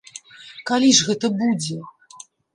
Калі ж гэта будзе?